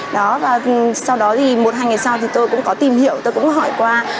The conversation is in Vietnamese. đó và sau đó thì một hai ngày sau thì tôi cũng có tìm hiểu tôi cũng hỏi qua